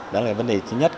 đó là vấn đề thứ nhất